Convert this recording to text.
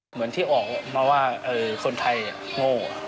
เหมือนที่ออกมาว่าคนไทยโง่